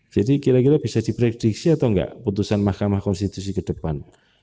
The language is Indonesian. jadi kira kira bisa diprediksi atau enggak putusan mk ke depan